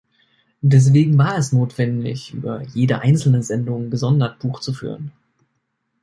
Deswegen war es notwendig, über jede einzelne Sendung gesondert Buch zu führen.